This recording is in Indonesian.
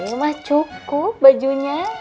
ini mah cukup bajunya